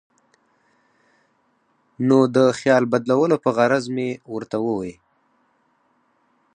نو د خیال بدلولو پۀ غرض مې ورته اووې ـ